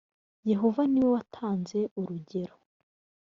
yehova ni we watanze urugero